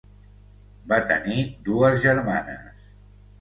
Va tenir dues germanes.